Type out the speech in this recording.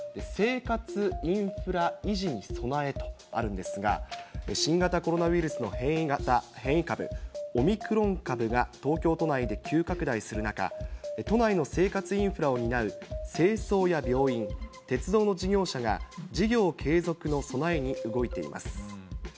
生活インフラ維持に備えとあるんですが、新型コロナウイルスの変異株、オミクロン株が東京都内で急拡大する中、都内の生活インフラを担う清掃や病院、鉄道の事業者が、事業継続の備えに動いています。